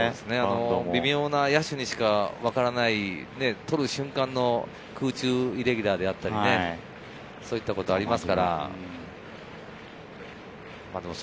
微妙な野手にしか分からない、捕る瞬間の空中でのイレギュラーであったり、そういったことがあります。